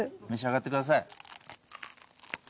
召し上がってください。